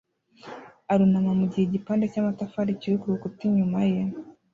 arunama mugihe igipande cyamatafari kiri kurukuta inyuma ye